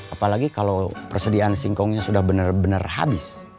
apalagi kalau persediaan singkongnya sudah bener bener habis